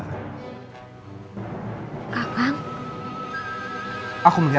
kakak aku menggoda lowes hai dia memberikan uang untuk apa apa untuk member presidents struktur uang itu